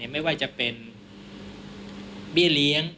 ไม่ว่าจะเป็นเบี้ยเลี้ยง